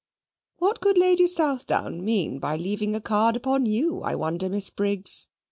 "What could Lady Southdown mean by leaving a card upon you, I wonder, Miss Briggs?"